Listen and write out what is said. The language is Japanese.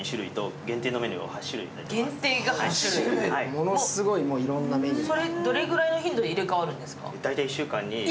ものすごいいろんなメニューが。